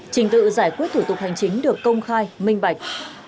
trình tự giải quyết thủ tục hành chính được công khai minh bạch